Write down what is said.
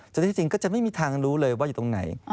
แต่ที่จริงก็จะไม่มีทางรู้เลยว่าอยู่ตรงไหน